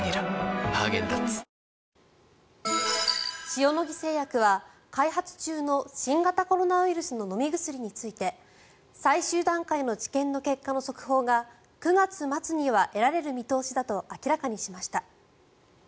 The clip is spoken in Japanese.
塩野義製薬は開発中の新型コロナウイルスの飲み薬について最終段階の治験の結果の速報が９月末には得られる見通しだと明らかにしました。